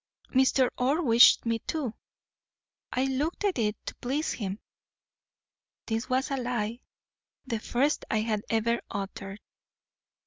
'Mr. Orr wished me to. I looked at it to please him.' This was a lie the first I had ever uttered.